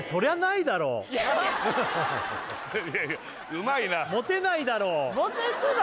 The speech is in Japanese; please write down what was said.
うまいなモテないだろモテ期が？